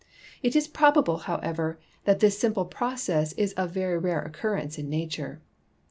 It is probable, however, that this sini[)le process is of very rare occur rence in nature.